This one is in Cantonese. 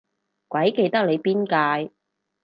鬼記得你邊屆